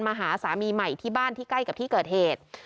หาสามีใหม่ที่บ้านที่ใกล้กับที่เกิดเหตุ